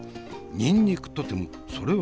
にんにくとてもそれは同じ。